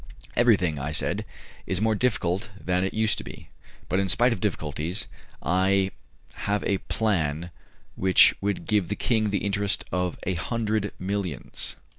"Everything," I said, "is more difficult than it used to be; but in spite of difficulties I have a plan which would give the king the interest of a hundred millions."